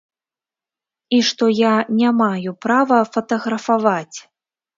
І што я не маю права фатаграфаваць.